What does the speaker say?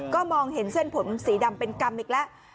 ก็มองเห็นเส้นผมสีดำเป็นกรรมอีกแล้ว